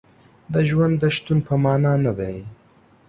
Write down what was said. د ژوند د شتون په معنا نه دی.